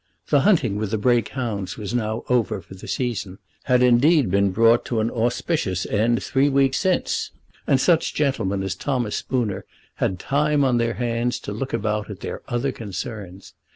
The hunting with the Brake hounds was now over for the season, had indeed been brought to an auspicious end three weeks since, and such gentlemen as Thomas Spooner had time on their hands to look about their other concerns.